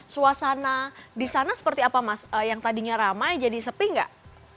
suasana di sana seperti apa mas yang tadinya ramai jadi sepi nggak